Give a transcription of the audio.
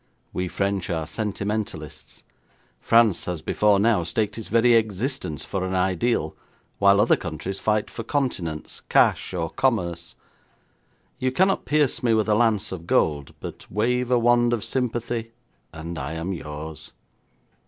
We French are sentimentalists. France has before now staked its very existence for an ideal, while other countries fight for continents, cash, or commerce. You cannot pierce me with a lance of gold, but wave a wand of sympathy, and I am yours.